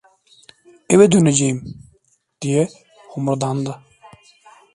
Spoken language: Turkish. "Eve döneceğim!" diye homurdandı.